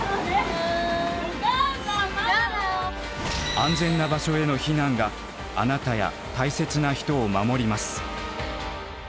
安全な場所への避難があなたや大切な人を守ります。